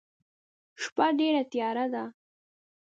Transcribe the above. شپه ډيره تیاره ده.